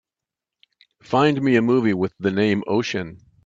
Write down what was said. Find me a movie with the name Oshin